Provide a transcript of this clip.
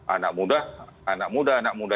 anak muda anak muda anak muda